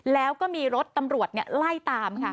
แล้วก็มีรถตำรวจไล่ตามค่ะ